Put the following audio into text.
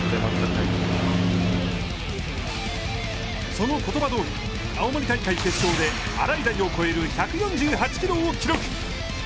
その言葉どおり、青森大会決勝で洗平を超える１４８キロを記録。